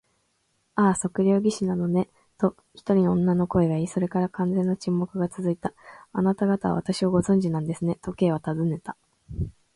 「ああ、測量技師なのね」と、一人の女の声がいい、それから完全な沈黙がつづいた。「あなたがたは私をご存じなんですね？」と、Ｋ はたずねた。